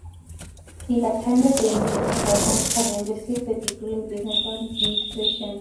He attended the University of Washington and received a degree in business administration.